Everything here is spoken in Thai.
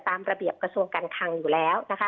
ตามระเบียบกระทรวงการคังอยู่แล้วนะคะ